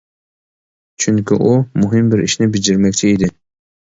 چۈنكى ئۇ مۇھىم بىر ئىشنى بېجىرمەكچى ئىدى.